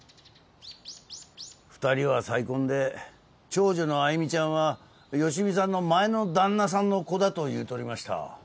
２人は再婚で長女の愛魅ちゃんは好美さんの前の旦那さんの子だと言うとりました。